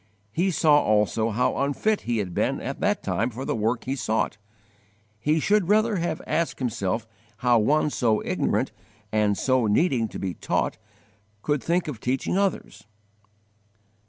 He saw also how unfit he had been at that time for the work he sought: he should rather have asked himself how one so ignorant and so needing to be taught could think of teaching others!